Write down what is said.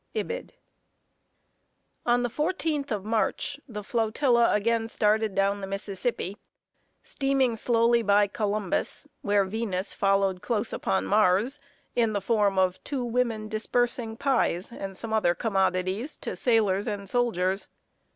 IBID. [Sidenote: STARTING DOWN THE MISSISSIPPI.] On the 14th of March, the flotilla again started down the Mississippi, steaming slowly by Columbus, where Venus followed close upon Mars, in the form of two women disbursing pies and some other commodities to sailors and soldiers.